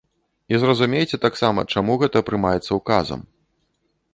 І зразумейце таксама, чаму гэта прымаецца ўказам.